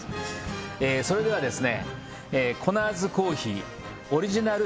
それではですね